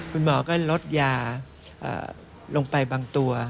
คุณหมอก็ลดยาลงไปบางตัว